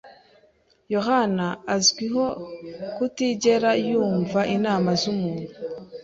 [S] yohani azwiho kutigera yumva inama z'umuntu.